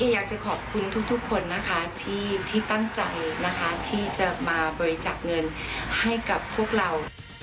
อยากจะขอบคุณทุกคนนะคะที่ตั้งใจนะคะที่จะมาบริจาคเงินให้กับพวกเรา